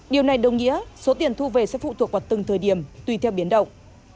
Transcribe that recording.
điều này đồng nghĩa số tiền thu về sẽ phụ thuộc vào từng thời điểm tùy theo biến động